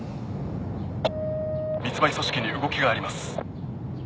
密売組織に動きがあります